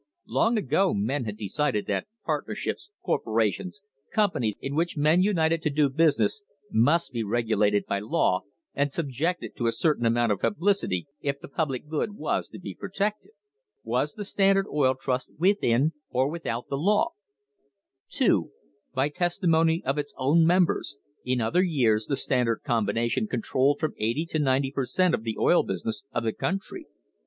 Long ago men had decided that partnerships, corporations, companies, in which men united to do business, must be regulated by law and subjected to a certain amount of publicity, if the public good was to be protected. Was the Standard Oil Trust within or without the law? (2) By the testimony of its own members, in other years the Standard Combination controlled from eighty to ninety per cent, of the oil business of the country.